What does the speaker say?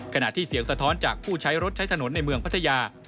ขณะที่เสียงสะท้อนจากผู้ใช้รถใช้ถนนในเมืองพัทยา